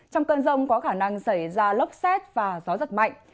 trong cơn rông có khả năng xảy ra lốc xét và gió giật mạnh